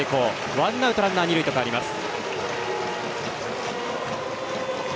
ワンアウトランナー、二塁とかわります。